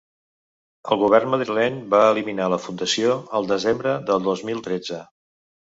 El govern madrileny va eliminar la fundació el desembre del dos mil tretze.